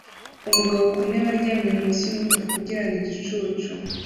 Umugabo ku ntebe aryamye munsi yumutaka kugirango igicucu